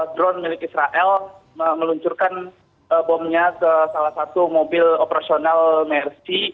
drone milik israel meluncurkan bomnya ke salah satu mobil operasional mersi